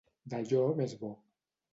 D'allò més bo.